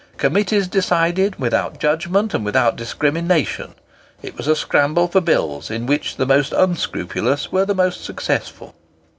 Committees decided without judgment and without discrimination; it was a scramble for Bills, in which the most unscrupulous were the most successful.